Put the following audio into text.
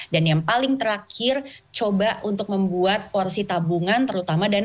dan yang paling terakhir coba untuk membuat porsi tabungan terutama dana darurat